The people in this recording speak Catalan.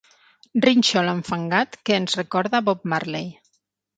Rínxol enfangat que ens recorda Bob Marley.